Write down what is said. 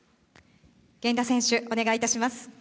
源田選手、お願いいたします。